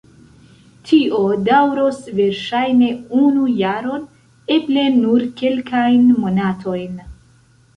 Tio daŭros verŝajne unu jaron, eble nur kelkajn monatojn...